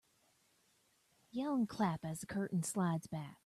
Yell and clap as the curtain slides back.